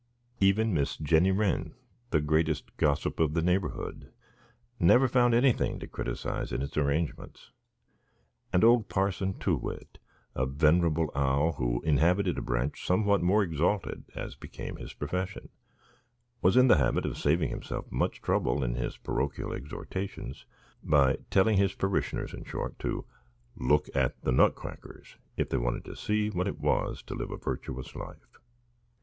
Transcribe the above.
Even Miss Jenny Wren, the greatest gossip of the neighbourhood, never found anything to criticise in its arrangements; and old Parson Too whit, a venerable owl who inhabited a branch somewhat more exalted, as became his profession, was in the habit of saving himself much trouble in his parochial exhortations by telling his parishioners in short to "look at the Nutcrackers" if they wanted to see what it was to live a virtuous life.